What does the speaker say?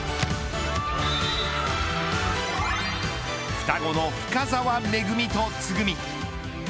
双子の深澤めぐみとつぐみ。